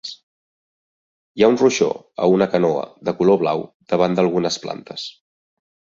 Hi ha un ruixó a una canoa de color blau davant d"algunes plantes.